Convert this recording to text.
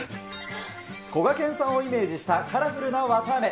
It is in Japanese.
こがけんさんをイメージしたカラフルなわたあめ。